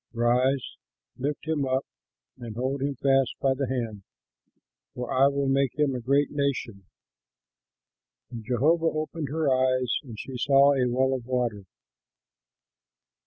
Rise, lift him up, and hold him fast by the hand, for I will make him a great nation." And Jehovah opened her eyes and she saw a well of water.